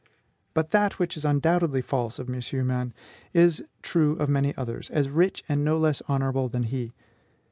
But that which is undoubtedly false of M. Humann is true of many others, as rich and no less honorable than he.